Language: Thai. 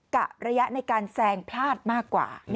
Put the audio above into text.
กะระยะในการแซงพลาดมากกว่า